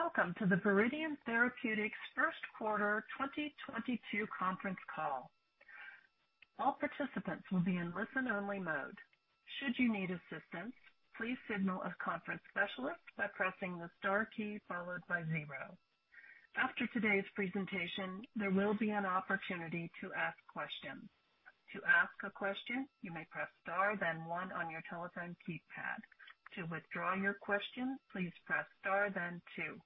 Welcome to the Viridian Therapeutics first quarter 2022 conference call. All participants will be in listen-only mode. Should you need assistance, please signal a conference specialist by pressing the star key followed by zero. After today's presentation, there will be an opportunity to ask questions. To ask a question, you may press star then one on your telephone keypad. To withdraw your question, please press star then two.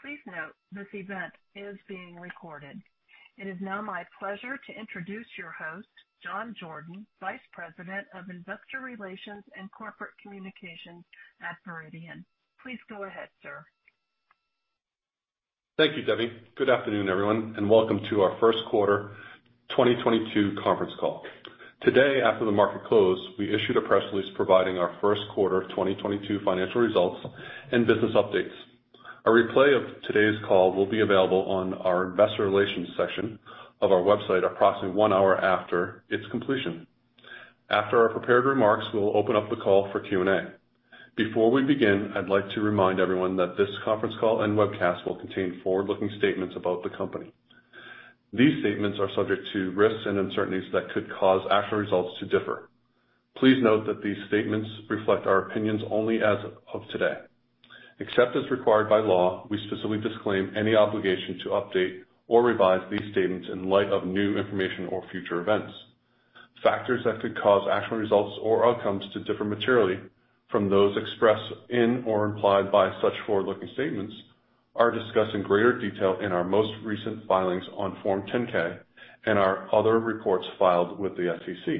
Please note this event is being recorded. It is now my pleasure to introduce your host, John Jordan, Vice President of Investor Relations and Corporate Communications at Viridian. Please go ahead, sir. Thank you, Debbie. Good afternoon, everyone, and welcome to our first quarter 2022 conference call. Today, after the market closed, we issued a press release providing our first quarter of 2022 financial results and business updates. A replay of today's call will be available on our investor relations section of our website approximately one hour after its completion. After our prepared remarks, we'll open up the call for Q&A. Before we begin, I'd like to remind everyone that this conference call and webcast will contain forward-looking statements about the company. These statements are subject to risks and uncertainties that could cause actual results to differ. Please note that these statements reflect our opinions only as of today. Except as required by law, we specifically disclaim any obligation to update or revise these statements in light of new information or future events. Factors that could cause actual results or outcomes to differ materially from those expressed in or implied by such forward-looking statements are discussed in greater detail in our most recent filings on Form 10-K and our other reports filed with the SEC.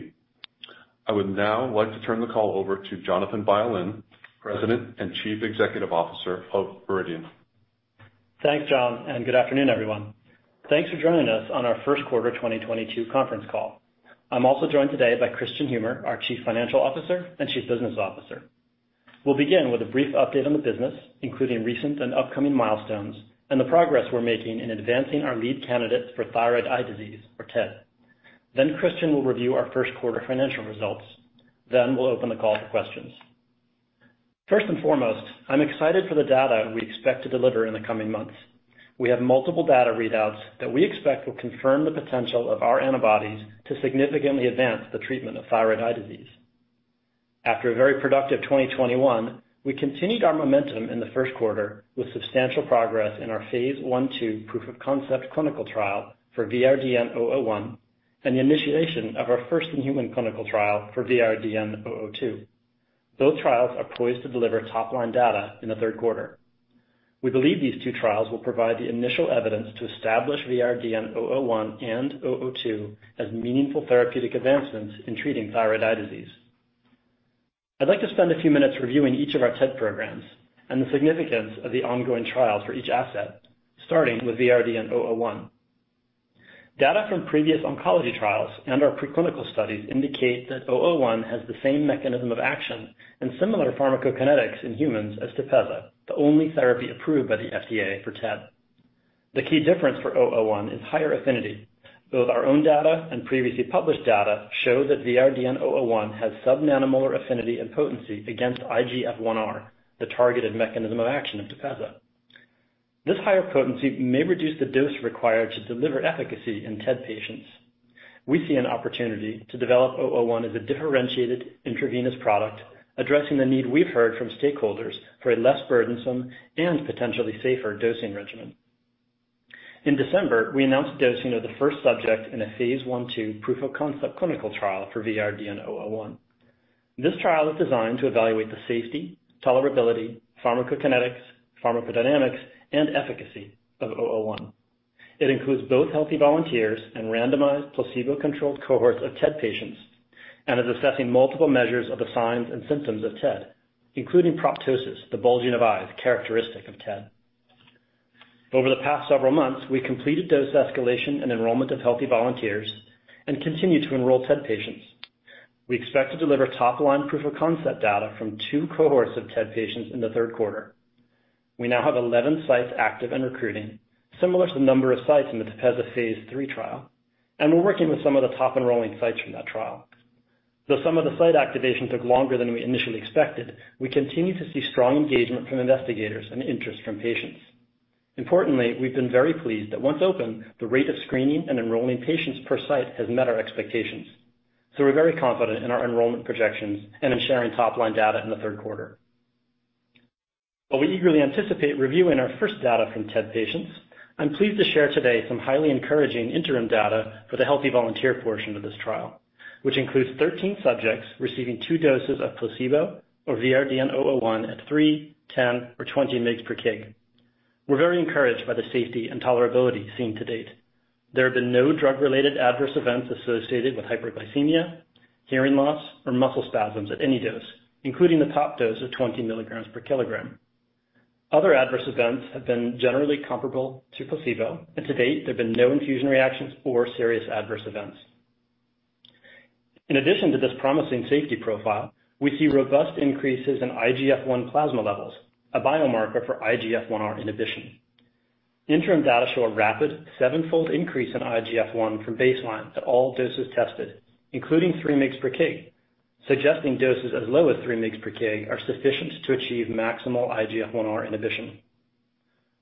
I would now like to turn the call over to Jonathan Violin, President and Chief Executive Officer of Viridian. Thanks, John, and good afternoon, everyone. Thanks for joining us on our first quarter 2022 conference call. I'm also joined today by Kristian Humer, our Chief Financial Officer and Chief Business Officer. We'll begin with a brief update on the business, including recent and upcoming milestones and the progress we're making in advancing our lead candidates for thyroid eye disease, or TED. Kristian will review our first quarter financial results. We'll open the call for questions. First and foremost, I'm excited for the data we expect to deliver in the coming months. We have multiple data readouts that we expect will confirm the potential of our antibodies to significantly advance the treatment of thyroid eye disease. After a very productive 2021, we continued our momentum in the first quarter with substantial progress in our phase 1/2 proof-of-concept clinical trial for VRDN-001 and the initiation of our first human clinical trial for VRDN-002. Those trials are poised to deliver top-line data in the third quarter. We believe these two trials will provide the initial evidence to establish VRDN-001 and VRDN-002 as meaningful therapeutic advancements in treating thyroid eye disease. I'd like to spend a few minutes reviewing each of our TED programs and the significance of the ongoing trial for each asset, starting with VRDN-001. Data from previous oncology trials and our preclinical studies indicate that VRDN-001 has the same mechanism of action and similar pharmacokinetics in humans as TEPEZZA, the only therapy approved by the FDA for TED. The key difference for VRDN- 001 is higher affinity. Both our own data and previously published data show that VRDN-001 has sub-nanomolar affinity and potency against IGF-1R, the targeted mechanism of action of TEPEZZA. This higher potency may reduce the dose required to deliver efficacy in TED patients. We see an opportunity to develop VRDN-001 as a differentiated intravenous product addressing the need we've heard from stakeholders for a less burdensome and potentially safer dosing regimen. In December, we announced dosing of the first subject in a phase 1/2 proof-of-concept clinical trial for VRDN-001. This trial is designed to evaluate the safety, tolerability, pharmacokinetics, pharmacodynamics, and efficacy of VRDN-001. It includes both healthy volunteers and randomized placebo-controlled cohorts of TED patients and is assessing multiple measures of the signs and symptoms of TED, including proptosis, the bulging of eyes characteristic of TED. Over the past several months, we completed dose escalation and enrollment of healthy volunteers and continue to enroll TED patients. We expect to deliver top-line proof-of-concept data from two cohorts of TED patients in the third quarter. We now have 11 sites active in recruiting, similar to the number of sites in the TEPEZZA phase 3 trial, and we're working with some of the top enrolling sites from that trial. Though some of the site activation took longer than we initially expected, we continue to see strong engagement from investigators and interest from patients. Importantly, we've been very pleased that once opened, the rate of screening and enrolling patients per site has met our expectations. We're very confident in our enrollment projections and in sharing top-line data in the third quarter. While we eagerly anticipate reviewing our first data from TED patients, I'm pleased to share today some highly encouraging interim data for the healthy volunteer portion of this trial, which includes 13 subjects receiving 2 doses of placebo or VRDN-001 at 3 mg/kg, 10 mg/kg, or 20 mg/kg. We're very encouraged by the safety and tolerability seen to date. There have been no drug-related adverse events associated with hyperglycemia, hearing loss, or muscle spasms at any dose, including the top dose of 20 mg/kg. Other adverse events have been generally comparable to placebo, and to date, there have been no infusion reactions or serious adverse events. In addition to this promising safety profile, we see robust increases in IGF-1 plasma levels, a biomarker for IGF-1R inhibition. Interim data show a rapid sevenfold increase in IGF-I from baseline to all doses tested, including 3 mg/kg, suggesting doses as low as 3 mg/kg are sufficient to achieve maximal IGF-1R inhibition.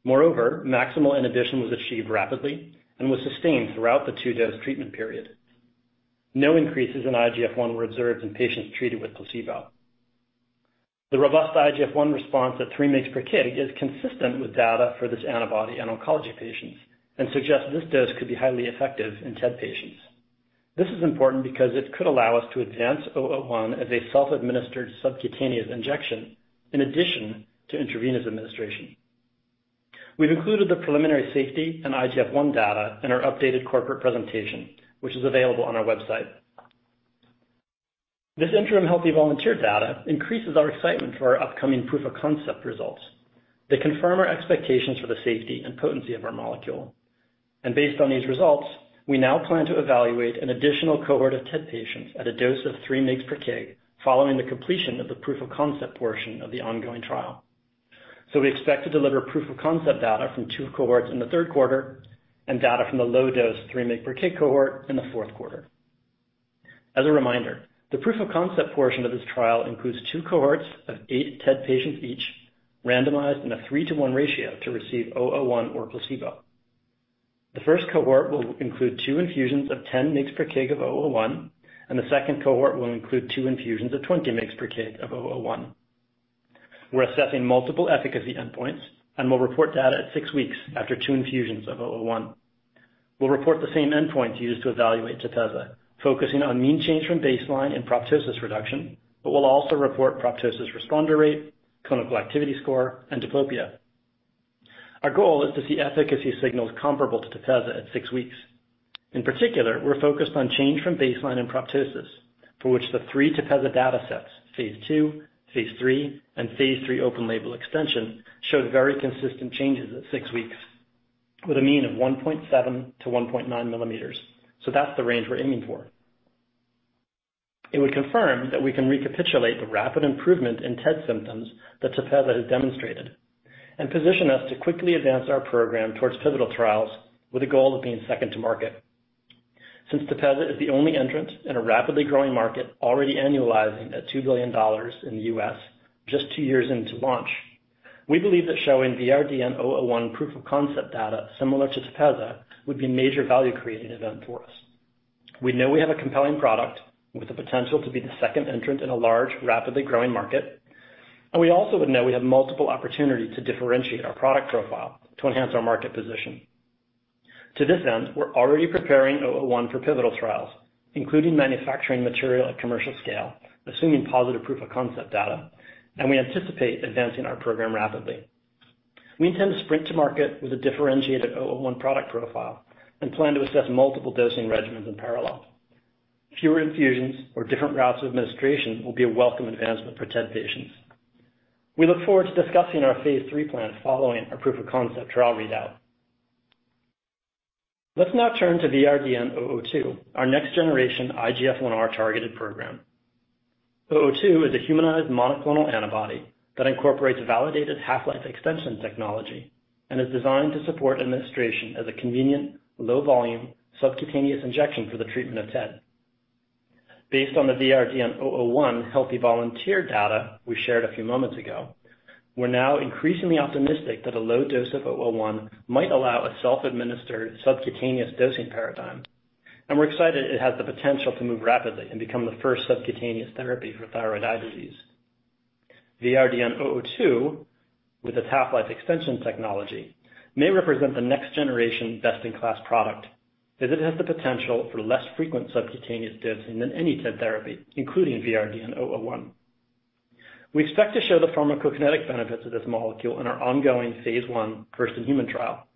Moreover, maximal inhibition was achieved rapidly and was sustained throughout the two-dose treatment period. No increases in IGF-I were observed in patients treated with placebo. The robust IGF-I response at 3 mg/kg is consistent with data for this antibody in oncology patients and suggests this dose could be highly effective in TED patients. This is important because it could allow us to advance VRDN-001 as a self-administered subcutaneous injection in addition to intravenous administration. We've included the preliminary safety and IGF-I data in our updated corporate presentation, which is available on our website. This interim healthy volunteer data increases our excitement for our upcoming proof-of-concept results that confirm our expectations for the safety and potency of our molecule. Based on these results, we now plan to evaluate an additional cohort of TED patients at a dose of 3 mg/kg following the completion of the proof-of-concept portion of the ongoing trial. We expect to deliver proof-of-concept data from two cohorts in the third quarter and data from the low-dose 3 mg/kg cohort in the fourth quarter. As a reminder, the proof-of-concept portion of this trial includes two cohorts of eight TED patients each, randomized in a three-to-one ratio to receive VRDN-001 or placebo. The first cohort will include two infusions of 10 mg/kg of VRDN-001, and the second cohort will include two infusions of 20 mg/kg of VRDN-001. We're assessing multiple efficacy endpoints and will report data at six weeks after two infusions of VRDN-001. We'll report the same endpoints used to evaluate TEPEZZA, focusing on mean change from baseline and proptosis reduction, but we'll also report proptosis responder rate, clinical activity score, and diplopia. Our goal is to see efficacy signals comparable to TEPEZZA at six weeks. In particular, we're focused on change from baseline and proptosis, for which the three TEPEZZA datasets, phase 2, phase 3, and phase 3 open label extension, showed very consistent changes at six weeks with a mean of 1.7-1.9 millimeters. That's the range we're aiming for. It would confirm that we can recapitulate the rapid improvement in TED symptoms that TEPEZZA has demonstrated and position us to quickly advance our program towards pivotal trials with the goal of being second to market. Since TEPEZZA is the only entrant in a rapidly growing market already annualizing at $2 billion in the U.S. just two years into launch, we believe that showing VRDN-001 proof-of-concept data similar to TEPEZZA would be a major value-creating event for us. We know we have a compelling product with the potential to be the second entrant in a large, rapidly growing market. We also know we have multiple opportunities to differentiate our product profile to enhance our market position. To this end, we're already preparing VRDN-001 for pivotal trials, including manufacturing material at commercial scale, assuming positive proof-of-concept data, and we anticipate advancing our program rapidly. We intend to sprint to market with a differentiated VRDN-001 product profile and plan to assess multiple dosing regimens in parallel. Fewer infusions or different routes of administration will be a welcome advancement for TED patients. We look forward to discussing our phase 3 plans following our proof-of-concept trial readout. Let's now turn to VRDN-002, our next-generation IGF-1R targeted program. VRDN-002 is a humanized monoclonal antibody that incorporates validated half-life extension technology and is designed to support administration as a convenient low-volume subcutaneous injection for the treatment of TED. Based on the VRDN-001 healthy volunteer data we shared a few moments ago, we're now increasingly optimistic that a low dose of VRDN-001 might allow a self-administered subcutaneous dosing paradigm, and we're excited it has the potential to move rapidly and become the first subcutaneous therapy for thyroid eye disease. VRDN-002, with its half-life extension technology, may represent the next generation best-in-class product, as it has the potential for less frequent subcutaneous dosing than any TED therapy, including VRDN-001. We expect to show the pharmacokinetic benefits of this molecule in our ongoing phase 1 first-in-human trial.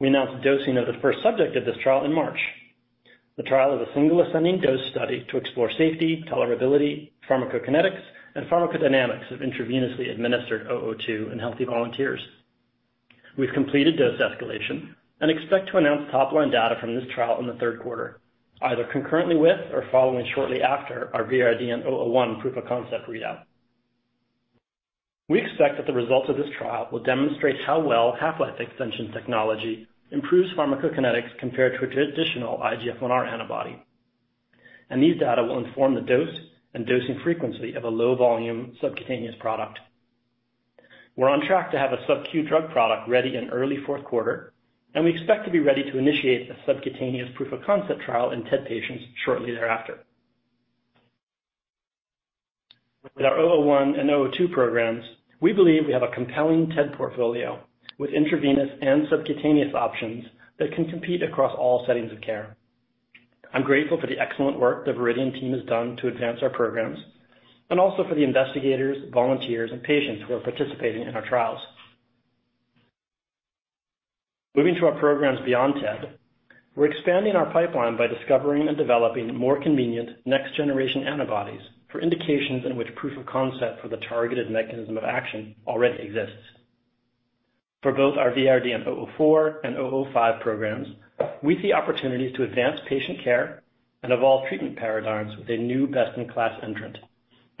We announced dosing of the first subject of this trial in March. The trial is a single ascending dose study to explore safety, tolerability, pharmacokinetics, and pharmacodynamics of intravenously administered VRDN-002 in healthy volunteers. We've completed dose escalation and expect to announce top line data from this trial in the third quarter, either concurrently with or following shortly after our VRDN-001 proof-of-concept readout. We expect that the results of this trial will demonstrate how well half-life extension technology improves pharmacokinetics compared to a traditional IGF-1R antibody. These data will inform the dose and dosing frequency of a low-volume subcutaneous product. We're on track to have a subQ drug product ready in early fourth quarter, and we expect to be ready to initiate a subcutaneous proof-of-concept trial in TED patients shortly thereafter. With our VRDN-001 and VRDN-002 programs, we believe we have a compelling TED portfolio with intravenous and subcutaneous options that can compete across all settings of care. I'm grateful for the excellent work the Viridian team has done to advance our programs and also for the investigators, volunteers, and patients who are participating in our trials. Moving to our programs beyond TED, we're expanding our pipeline by discovering and developing more convenient next-generation antibodies for indications in which proof of concept for the targeted mechanism of action already exists. For both our VRDN-004 and VRDN-005 programs, we see opportunities to advance patient care and evolve treatment paradigms with a new best-in-class entrant.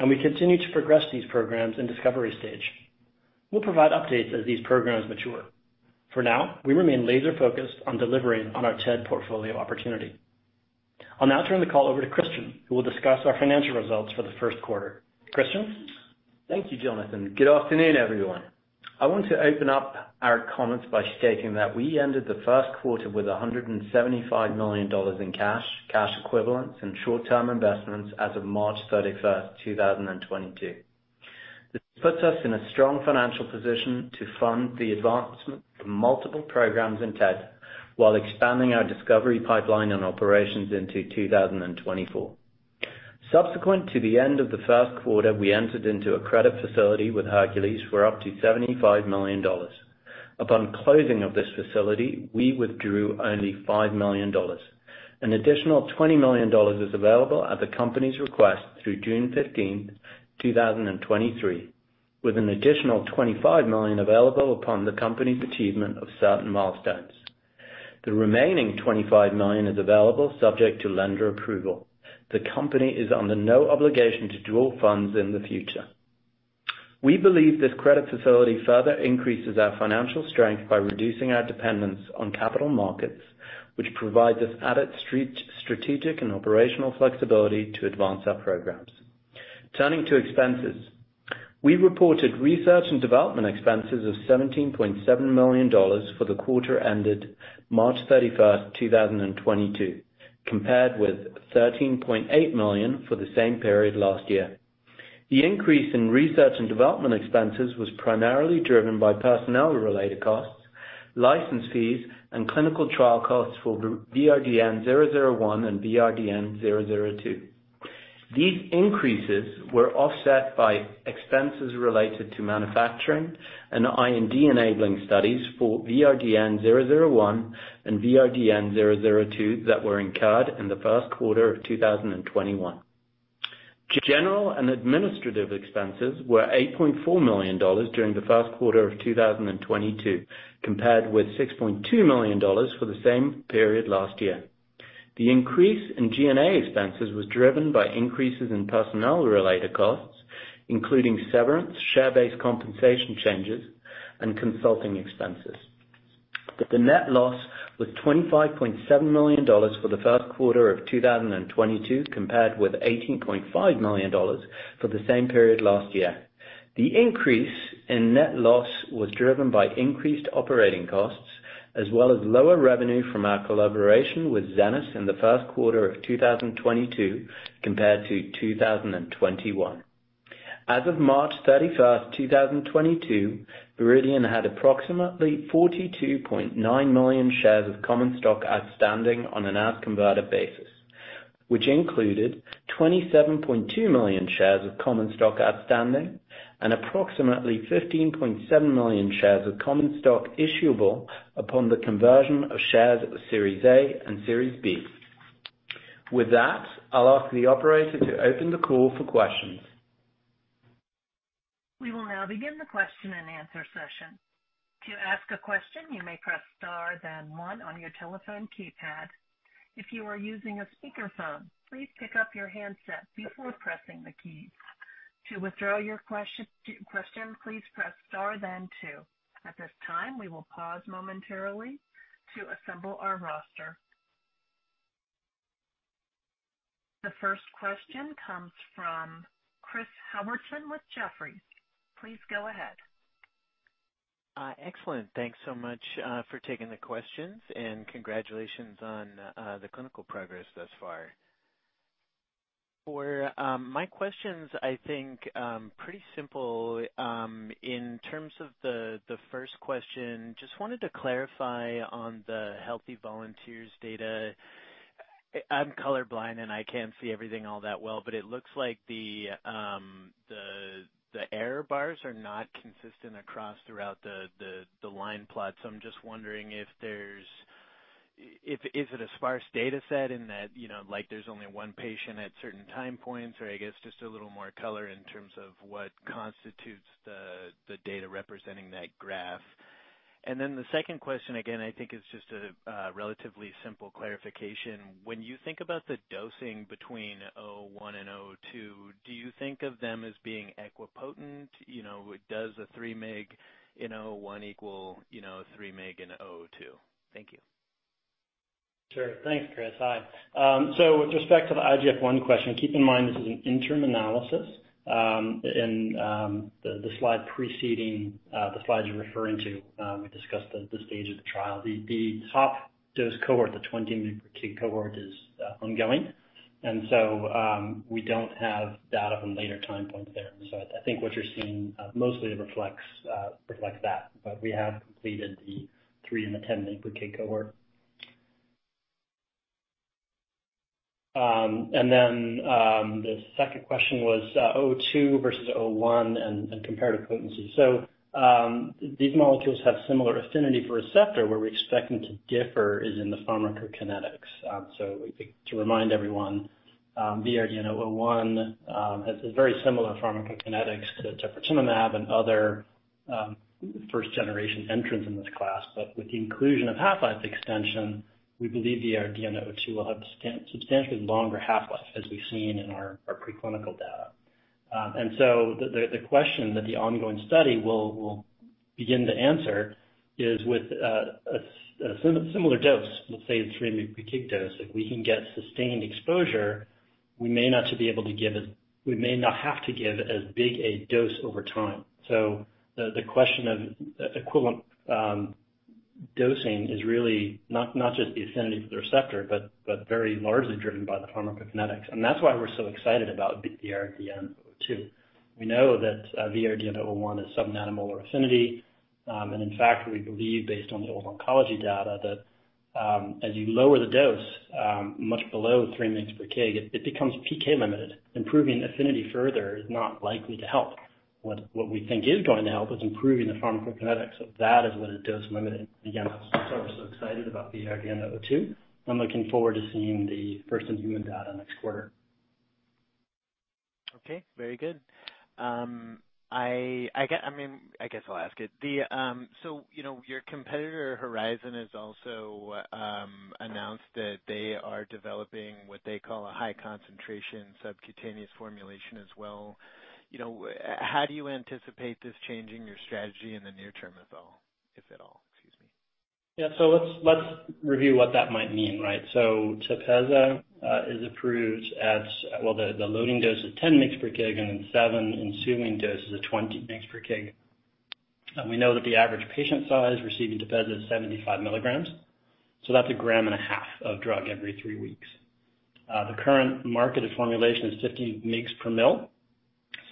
We continue to progress these programs in discovery stage. We'll provide updates as these programs mature. For now, we remain laser-focused on delivering on our TED portfolio opportunity. I'll now turn the call over to Kristian Humer, who will discuss our financial results for the first quarter. Kristian Humer. Thank you, Jonathan. Good afternoon, everyone. I want to open up our comments by stating that we ended the first quarter with $175 million in cash equivalents, and short-term investments as of March 31, 2022. This puts us in a strong financial position to fund the advancement of multiple programs in TED while expanding our discovery pipeline and operations into 2024. Subsequent to the end of the first quarter, we entered into a credit facility with Hercules Capital for up to $75 million. Upon closing of this facility, we withdrew only $5 million. An additional $20 million is available at the company's request through June 15, 2023, with an additional $25 million available upon the company's achievement of certain milestones. The remaining $25 million is available subject to lender approval. The company is under no obligation to draw funds in the future. We believe this credit facility further increases our financial strength by reducing our dependence on capital markets, which provides us added strategic and operational flexibility to advance our programs. Turning to expenses. We reported research and development expenses of $17.7 million for the quarter ended March 31, 2022, compared with $13.8 million for the same period last year. The increase in research and development expenses was primarily driven by personnel-related costs, license fees, and clinical trial costs for VRDN-001 and VRDN-002. These increases were offset by expenses related to manufacturing and IND-enabling studies for VRDN-001 and VRDN-002 that were incurred in the first quarter of 2021. General and administrative expenses were $8.4 million during the first quarter of 2022, compared with $6.2 million for the same period last year. The increase in G&A expenses was driven by increases in personnel-related costs, including severance, share-based compensation changes, and consulting expenses. The net loss was $25.7 million for the first quarter of 2022, compared with $18.5 million for the same period last year. The increase in net loss was driven by increased operating costs as well as lower revenue from our collaboration with Xenon in the first quarter of 2022 compared to 2021. As of March 31, 2022, Viridian had approximately 42.9 million shares of common stock outstanding on an as-converted basis, which included 27.2 million shares of common stock outstanding and approximately 15.7 million shares of common stock issuable upon the conversion of shares of Series A and Series B. With that, I'll ask the operator to open the call for questions. We will now begin the question-and-answer session. To ask a question, you may press star then one on your telephone keypad. If you are using a speakerphone, please pick up your handset before pressing the key. To withdraw your question, please press star then two. At this time, we will pause momentarily to assemble our roster. The first question comes from Chris Howerton with Jefferies. Please go ahead. Excellent. Thanks so much for taking the questions, and congratulations on the clinical progress thus far. For my questions, I think pretty simple. In terms of the first question, just wanted to clarify on the healthy volunteers data. I'm colorblind, and I can't see everything all that well, but it looks like the error bars are not consistent across throughout the line plot. So I'm just wondering if it is a sparse data set in that, you know, like, there's only one patient at certain time points, or I guess just a little more color in terms of what constitutes the data representing that graph. And then the second question, again, I think it's just a relatively simple clarification. When you think about the dosing between VRDN-001 and VRDN-002, do you think of them as being equipotent? You know, does a 3 mg in VRDN-001 equal, you know, 3 mg in VRDN-002? Thank you. Sure. Thanks, Chris. Hi. With respect to the IGF-1 question, keep in mind this is an interim analysis. In the slide preceding the slides you're referring to, we discussed the stage of the trial. The top dose cohort, the 20 mg/kg cohort, is ongoing. We don't have data from later time points there. I think what you're seeing mostly reflects that. But we have completed the 3 mg/kg and the 10 mg/kg cohort. The second question was VRDN-002 versus VRDN-001 and comparative potency. These molecules have similar affinity for receptor. Where we expect them to differ is in the pharmacokinetics. To remind everyone, VRDN-001 has a very similar pharmacokinetics to pertuzumab and other first-generation antibodies in this class. With the inclusion of half-life extension, we believe the VRDN-002 will have substantially longer half-life, as we've seen in our preclinical data. The question that the ongoing study will begin to answer is with a similar dose, let's say 3 mg/kg dose, if we can get sustained exposure, we may not have to give as big a dose over time. The question of equivalent dosing is really not just the affinity for the receptor, but very largely driven by the pharmacokinetics. That's why we're so excited about the VRDN-002. We know that the VRDN-001 is subnanomolar affinity. In fact, we believe based on the old oncology data that as you lower the dose much below 3 mg/kg, it becomes PK-limited. Improving affinity further is not likely to help. What we think is going to help is improving the pharmacokinetics. That is what is dose limiting. Again, that's why we're so excited about the VRDN-002, and I'm looking forward to seeing the first human data next quarter. Okay, very good. I mean, I guess I'll ask it. You know, your competitor Horizon has also announced that they are developing what they call a high concentration subcutaneous formulation as well. You know, how do you anticipate this changing your strategy in the near term, if at all? Excuse me. Let's review what that might mean, right? TEPEZZA is approved at, well, the loading dose is 10 mg per kg and seven ensuing doses of 20 mg/kg. We know that the average patient size receiving TEPEZZA is 75 kilograms, so that's a gram and a half of drug every three weeks. The current marketed formulation is 50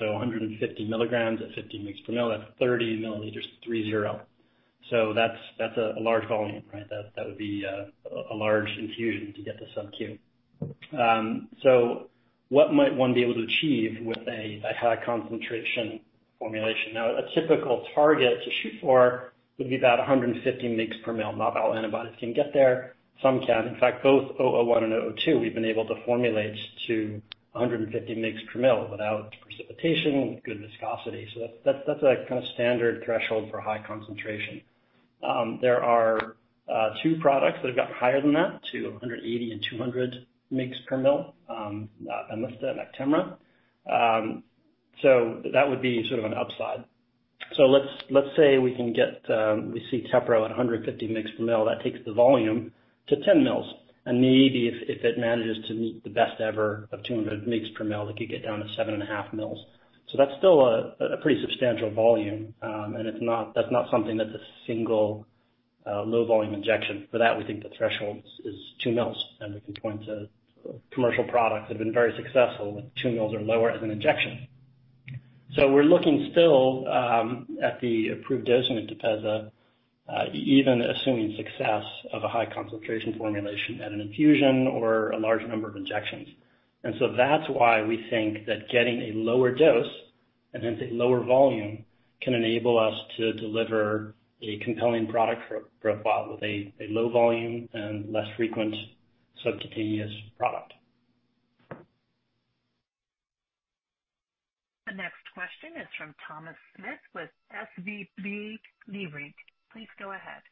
mg/mL. 150 mg at 50 mg/mL, that's 30 mL, 30. That's a large volume, right? That would be a large infusion to get to subQ. What might one be able to achieve with a high concentration formulation? A typical target to shoot for would be about 150 mg/mL. Not all antibodies can get there, some can. In fact, both VRDN-001 and VRDN-002, we've been able to formulate to 150 mg/mL without precipitation, good viscosity. That's a kind of standard threshold for high concentration. There are two products that have got higher than that to 180 mg/mL and 200 mg/mL, Hyrimoz and Actemra. That would be sort of an upside. Let's say we can get, we see TEPEZZA at 150 mg/mL. That takes the volume to 10 mL. Maybe if it manages to meet the best ever of 200 mg/mL, it could get down to 7.5 mL. That's still a pretty substantial volume. It's not something that's a single low volume injection. For that, we think the threshold is 2 mL, and we can point to commercial products that have been very successful with 2 mL or lower as an injection. We're looking still at the approved dose in TEPEZZA, even assuming success of a high concentration formulation as an infusion or a large number of injections. That's why we think that getting a lower dose and hence a lower volume can enable us to deliver a compelling product for a while with a low volume and less frequent subcutaneous product. The next question is from Thomas Smith with SVB Leerink. Please go ahead.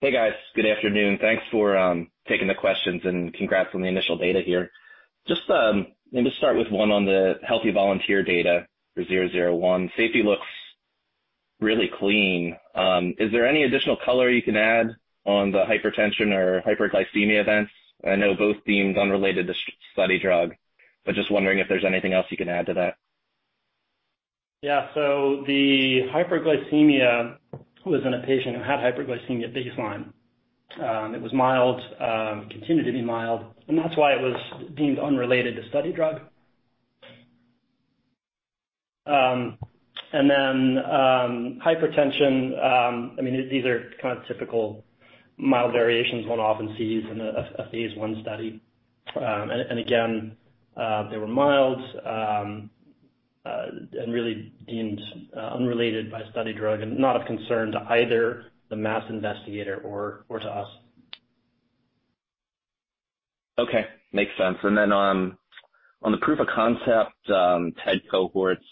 Hey, guys. Good afternoon. Thanks for taking the questions and congrats on the initial data here. Just let me start with one on the healthy volunteer data for VRDN-001. Safety looks really clean. Is there any additional color you can add on the hypertension or hyperglycemia events? I know both deemed unrelated to study drug, but just wondering if there's anything else you can add to that. Yeah. The hyperglycemia was in a patient who had hyperglycemia baseline. It was mild, continued to be mild, and that's why it was deemed unrelated to study drug. Hypertension, I mean, these are kind of typical mild variations one often sees in a phase one study. They were mild, and really deemed unrelated to study drug and not of concern to either the site's investigator or to us. Okay. Makes sense. On the proof of concept TED cohorts,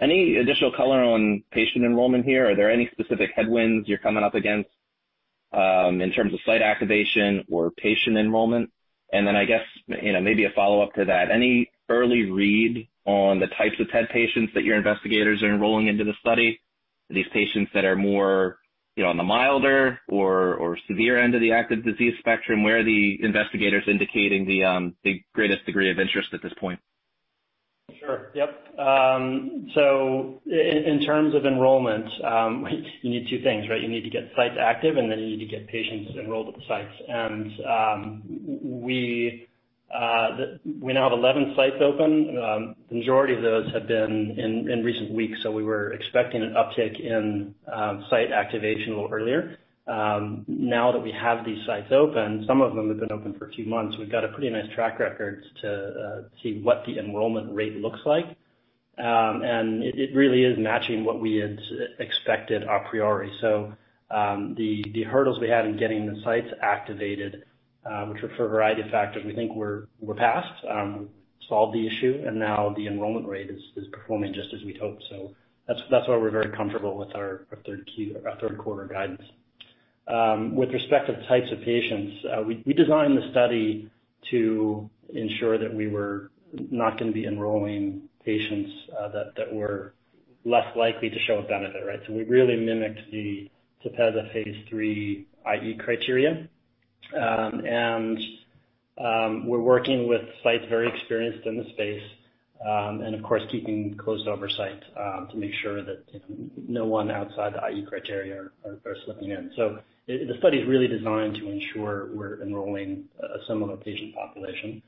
any additional color on patient enrollment here? Are there any specific headwinds you're coming up against in terms of site activation or patient enrollment? I guess, you know, maybe a follow-up to that, any early read on the types of TED patients that your investigators are enrolling into the study? These patients that are more, you know, on the milder or severe end of the active disease spectrum, where are the investigators indicating the greatest degree of interest at this point? Sure. Yep. In terms of enrollment, you need two things, right? You need to get sites active, and then you need to get patients enrolled at the sites. We now have 11 sites open. Majority of those have been in recent weeks, so we were expecting an uptick in site activation a little earlier. Now that we have these sites open, some of them have been open for a few months. We've got a pretty nice track record to see what the enrollment rate looks like. It really is matching what we had expected a priori. The hurdles we had in getting the sites activated, which were for a variety of factors, we think we're past. Solved the issue, and now the enrollment rate is performing just as we'd hoped. That's why we're very comfortable with our third quarter guidance. With respect to the types of patients, we designed the study to ensure that we were not gonna be enrolling patients that were less likely to show a benefit, right? We really mimicked the TEPEZZA phase 3 I/E criteria. We're working with sites very experienced in the space, and of course, keeping close oversight, to make sure that no one outside the I/E criteria are slipping in. The study is really designed to ensure we're enrolling a similar patient population.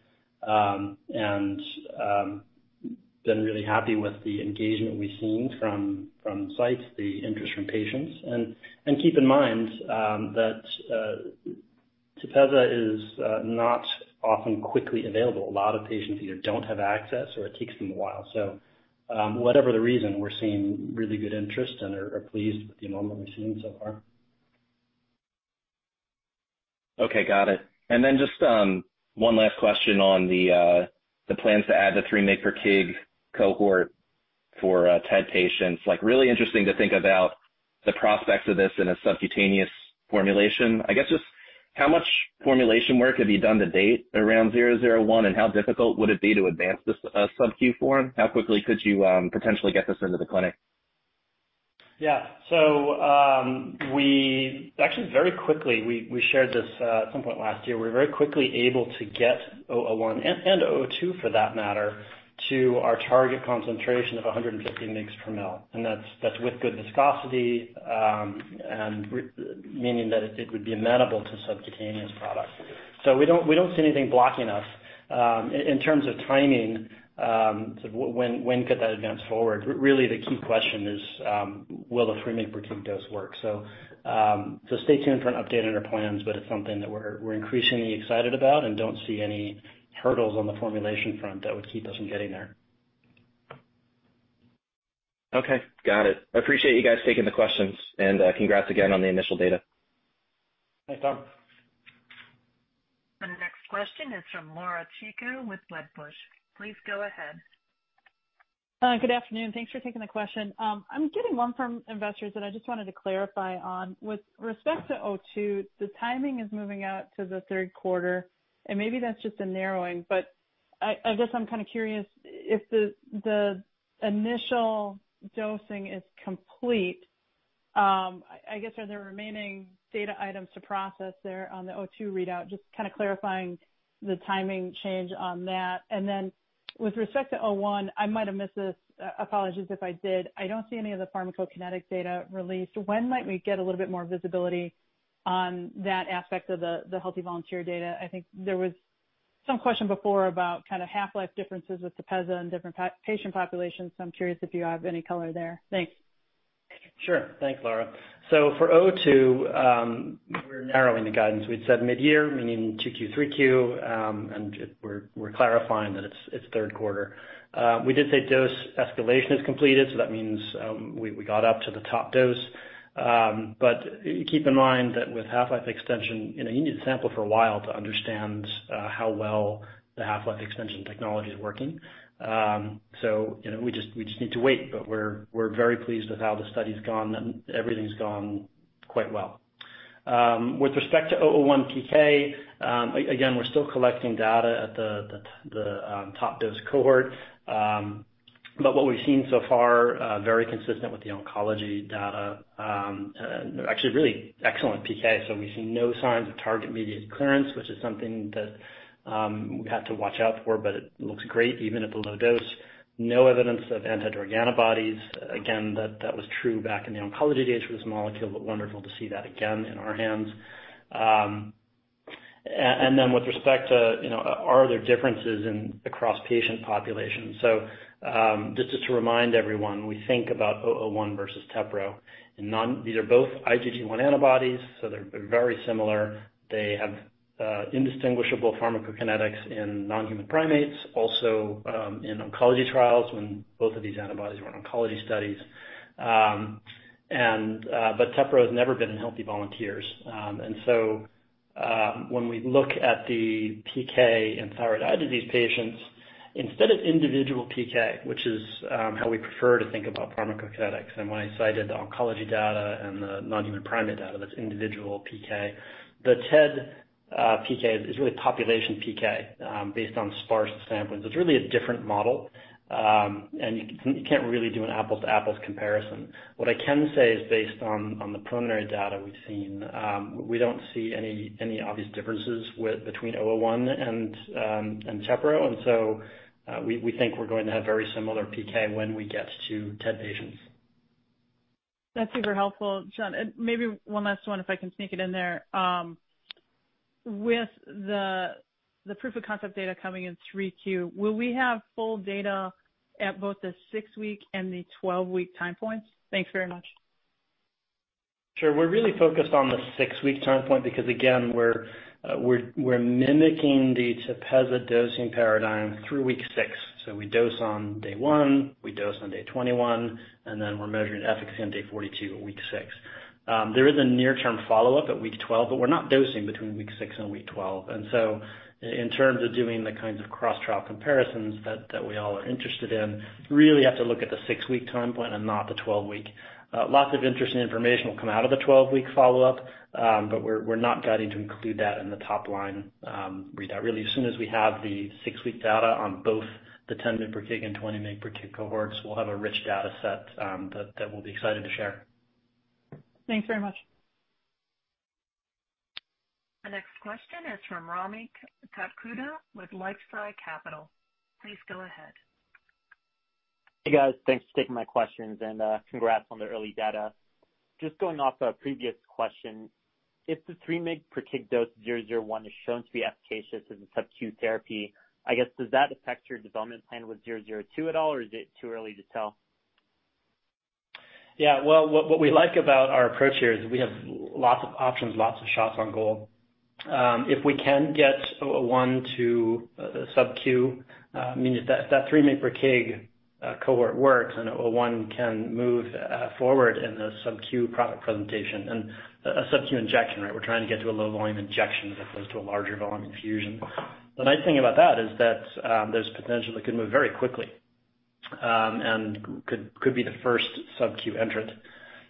Been really happy with the engagement we've seen from sites, the interest from patients. Keep in mind that TEPEZZA is not often quickly available. A lot of patients either don't have access or it takes them a while. Whatever the reason, we're seeing really good interest and are pleased with the enrollment we're seeing so far. Okay. Got it. Just one last question on the plans to add the 3 mg/kg cohort for TED patients. Like, really interesting to think about the prospects of this in a subcutaneous formulation. I guess just how much formulation work have you done to date around zero zero one, and how difficult would it be to advance this subQ form? How quickly could you potentially get this into the clinic? Yeah. Actually very quickly, we shared this at some point last year. We were very quickly able to get VRDN-001 and VRDN-002, for that matter, to our target concentration of 150 mg/mL. That's with good viscosity, meaning that it would be amenable to subcutaneous product. We don't see anything blocking us. In terms of timing, when could that advance forward? Really the key question is, will the 3 mg/kg dose work? Stay tuned for an update on our plans, but it's something that we're increasingly excited about and don't see any hurdles on the formulation front that would keep us from getting there. Okay. Got it. I appreciate you guys taking the questions, and congrats again on the initial data. Thanks, Tom. The next question is from Laura Chico with Wedbush. Please go ahead. Good afternoon. Thanks for taking the question. I'm getting one from investors that I just wanted to clarify on. With respect to VRDN-002, the timing is moving out to the third quarter, and maybe that's just a narrowing. I guess I'm kinda curious if the initial dosing is complete, I guess are there remaining data items to process there on the VRDN-002 readout? Just kinda clarifying the timing change on that. With respect to VRDN-001, I might have missed this, apologies if I did. I don't see any of the pharmacokinetic data released. When might we get a little bit more visibility on that aspect of the healthy volunteer data? I think there was some question before about kinda half-life differences with TEPEZZA and different patient populations. I'm curious if you have any color there. Thanks. Sure. Thanks, Laura. For VRDN-002, we're narrowing the guidance. We'd said mid-year, meaning 2Q, 3Q, and we're clarifying that it's third quarter. We did say dose escalation is completed, so that means we got up to the top dose. Keep in mind that with half-life extension, you know, you need to sample for a while to understand how well the half-life extension technology is working. You know, we just need to wait. We're very pleased with how the study's gone. Everything's gone quite well. With respect to VRDN-001 PK, again, we're still collecting data at the top dose cohort. What we've seen so far, very consistent with the oncology data, actually really excellent PK. We've seen no signs of target-mediated clearance, which is something that we had to watch out for, but it looks great even at the low dose. No evidence of anti-drug antibodies. Again, that was true back in the oncology days for this molecule, but wonderful to see that again in our hands. With respect to, are there differences across patient populations? Just to remind everyone, we think about VRDN-001 versus TEPEZZA. These are both IgG1 antibodies, so they're very similar. They have indistinguishable pharmacokinetics in non-human primates, also in oncology trials when both of these antibodies were in oncology studies. TEPEZZA has never been in healthy volunteers. When we look at the PK in thyroid eye disease patients, instead of individual PK, which is how we prefer to think about pharmacokinetics, and when I cited the oncology data and the non-human primate data, that's individual PK, the TED PK is really population PK based on sparse samplings. It's really a different model, and you can't really do an apples-to-apples comparison. What I can say is based on the preliminary data we've seen, we don't see any obvious differences between VRDN-001 and TEPEZZA. We think we're going to have very similar PK when we get to TED patients. That's super helpful, John. Maybe one last one if I can sneak it in there. With the proof of concept data coming in 3Q, will we have full data at both the six-week and the 12-week time points? Thanks very much. Sure. We're really focused on the six-week time point because, again, we're mimicking the TEPEZZA dosing paradigm through week six. We dose on day one, we dose on day 21, and then we're measuring efficacy on day 42 or week six. There is a near-term follow-up at week 12, but we're not dosing between week six and week 12. In terms of doing the kinds of cross-trial comparisons that we all are interested in, really have to look at the six-week time plan and not the 12-week. Lots of interesting information will come out of the 12-week follow-up. But we're not guiding to include that in the top-line readout. Really, as soon as we have the six-week data on both the 10 mg/kg and 20 mg/kg cohorts, we'll have a rich data set that we'll be excited to share. Thanks very much. The next question is from Rami Katkhuda with LifeSci Capital. Please go ahead. Hey, guys. Thanks for taking my questions and, congrats on the early data. Just going off a previous question, if the 3 mg/kg dose VRDN-001 is shown to be efficacious as a subQ therapy, I guess, does that affect your development plan with VRDN-002 at all, or is it too early to tell? Yeah. Well, what we like about our approach here is we have lots of options, lots of shots on goal. If we can get VRDN-001 to the subQ, I mean if that 3 mg/kg cohort works and VRDN-001 can move forward in the subQ product presentation and a subQ injection, right, we're trying to get to a low volume injection as opposed to a larger volume infusion. The nice thing about that is that there's potential it could move very quickly and could be the first subQ entrant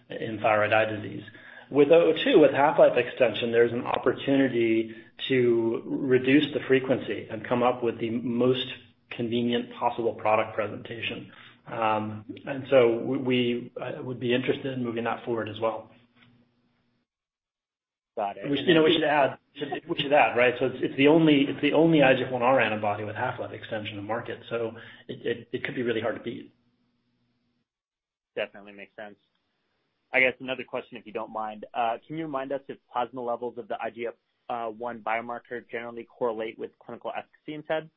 in thyroid eye disease. With VRDN-002, with half-life extension, there's an opportunity to reduce the frequency and come up with the most convenient possible product presentation. We would be interested in moving that forward as well. Got it. You know, we should add, right? It's the only IGF-1R antibody with half-life extension to market, so it could be really hard to beat. Definitely makes sense. I guess another question, if you don't mind. Can you remind us if plasma levels of the IGF-1 biomarker generally correlate with clinical efficacy in TED?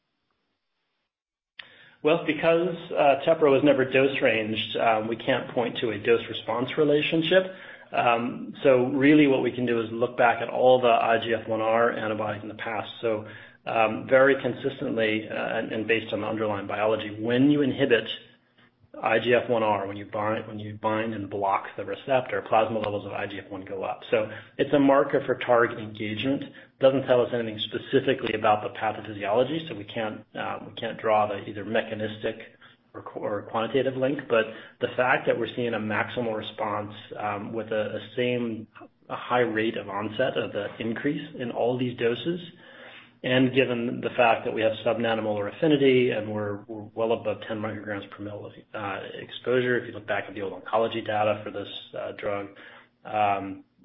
Well, because TEPEZZA was never dose ranged, we can't point to a dose-response relationship. Really what we can do is look back at all the IGF-1R antibodies in the past. Very consistently, and based on the underlying biology, when you inhibit IGF-1R, when you bind and block the receptor, plasma levels of IGF-1 go up. It's a marker for target engagement. It doesn't tell us anything specifically about the pathophysiology, so we can't draw either the mechanistic or qualitative or quantitative link. The fact that we're seeing a maximal response, with a same high rate of onset of the increase in all these doses and given the fact that we have sub-nanomolar affinity and we're well above 10 micrograms per ml exposure, if you look back at the old oncology data for this drug,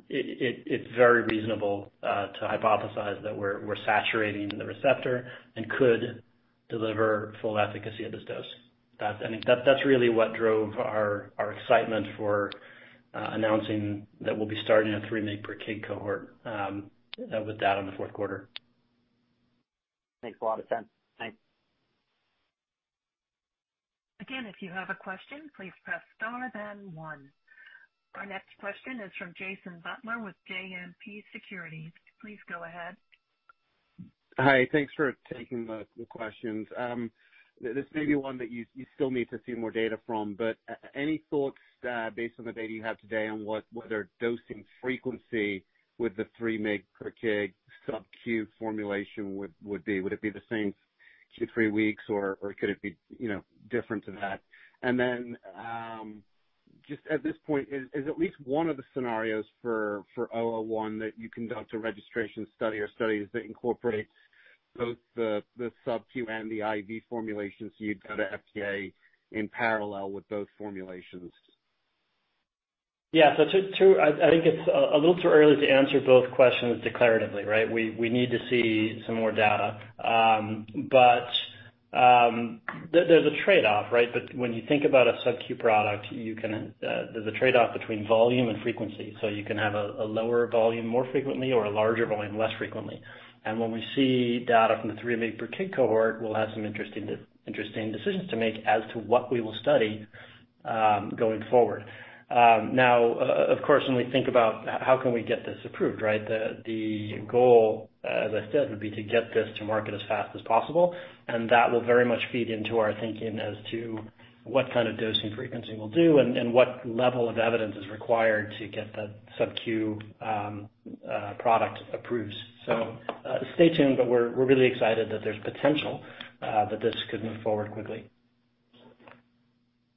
it's very reasonable to hypothesize that we're saturating the receptor and could deliver full efficacy at this dose. That's, I think that's really what drove our excitement for announcing that we'll be starting a 3 mg/kg cohort with that on the fourth quarter. Makes a lot of sense. Thanks. Again, if you have a question, please press star then one. Our next question is from Jason Butler with JMP Securities. Please go ahead. Hi. Thanks for taking the questions. This may be one that you still need to see more data from. Any thoughts based on the data you have today on whether dosing frequency with the 3 mg/kg subQ formulation would be? Would it be the same two-three weeks, or could it be, you know, different to that? Just at this point, is at least one of the scenarios for VRDN-001 that you conduct a registration study or studies that incorporates both the subQ and the IV formulations, so you'd go to FDA in parallel with both formulations? I think it's a little too early to answer both questions declaratively, right? We need to see some more data. There's a trade-off, right? When you think about a subQ product, there's a trade-off between volume and frequency. You can have a lower volume more frequently or a larger volume less frequently. When we see data from the 3 mg/kg cohort, we'll have some interesting decisions to make as to what we will study going forward. Now of course, when we think about how can we get this approved, right? The goal as I said would be to get this to market as fast as possible, and that will very much feed into our thinking as to what kind of dosing frequency we'll do and what level of evidence is required to get the subQ product approved. Stay tuned, but we're really excited that there's potential that this could move forward quickly.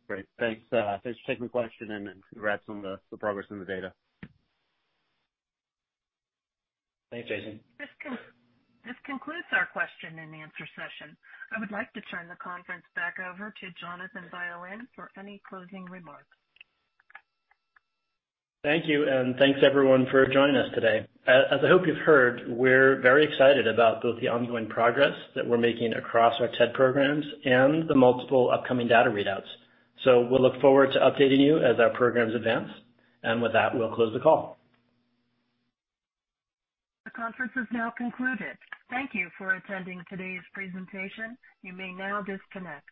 Great. Thanks for taking the question and congrats on the progress in the data. Thanks, Jason. This concludes our question and answer session. I would like to turn the conference back over to Jonathan Violin for any closing remarks. Thank you, and thanks, everyone, for joining us today. As I hope you've heard, we're very excited about both the ongoing progress that we're making across our TED programs and the multiple upcoming data readouts. We'll look forward to updating you as our programs advance. With that, we'll close the call. The conference is now concluded. Thank you for attending today's presentation. You may now disconnect.